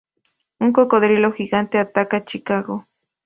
Un cocodrilo gigante ataca Chicago.